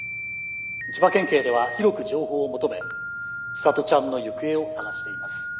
千葉県警では広く情報を求め千里ちゃんの行方を捜しています。